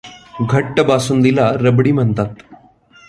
घट्ट बासुंदीला रबडी म्हणतात.